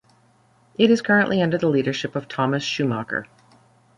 It is currently under the leadership of Thomas Schumacher.